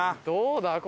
どうだ？